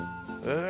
え